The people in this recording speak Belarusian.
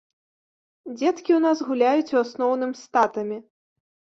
Дзеткі ў нас гуляюць, у асноўным, з татамі.